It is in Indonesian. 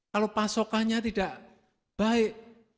kalau pasokannya tidak baik